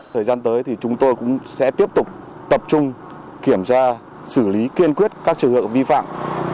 thời gian tới thì chúng tôi cũng sẽ tiếp tục tập trung kiểm tra xử lý kiên quyết các trường hợp vi phạm